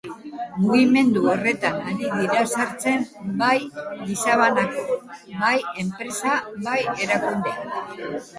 Mugimendu horretan ari dira sartzen bai gizabanako, bai enpresa, bai erakundeak.